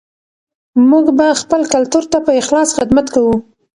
موږ به خپل کلتور ته په اخلاص خدمت کوو.